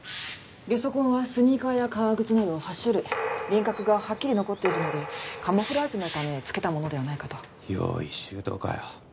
げそ痕はスニーカーや革靴など８種類輪郭がはっきり残っているのでカムフラージュのためつけたものではないかと用意周到かよ